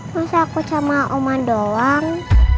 masa aku sama oma doang